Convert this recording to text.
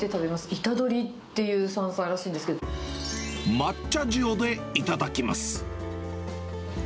イタドリっていう山菜らしいんで抹茶塩で頂きます。